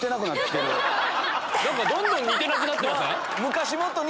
どんどん似てなくなってません？